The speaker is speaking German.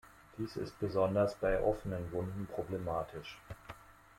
Dies ist besonders bei offenen Wunden problematisch.